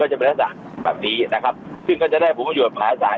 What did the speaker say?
ก็จะเป็นทักษะแบบนี้นะครับซึ่งก็จะได้ผู้มันอยู่ในภาษา